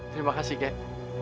terima kasih kak